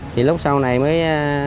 thì lúc sau này mới